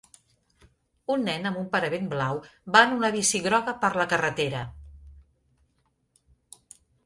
Un nen amb un paravent blau va en una bici groga per la carretera.